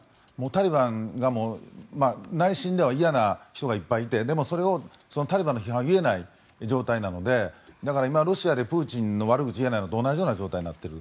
タリバンが内心では嫌な人がいっぱいいてでも、それをタリバンの批判を言えない状態なのでだから、今ロシアでプーチンの悪口を言えないのと同じような状態になっている。